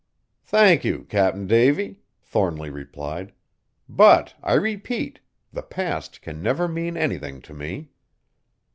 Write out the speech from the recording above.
"Thank you, Cap'n Davy," Thornly replied, "but, I repeat, the past can never mean anything to me."